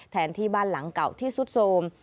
ที่บ้านหลังเก่าที่สุดโทรม